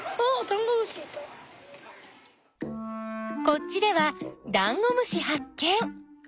こっちではダンゴムシはっ見！